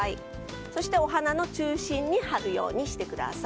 そして、お花の中心に貼るようにしてください。